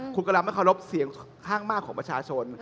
คุณกำลังไม่เคารพเสียงข้างมากของประชาชน